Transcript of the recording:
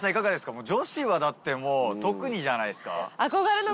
女子はだってもう特にじゃないですか？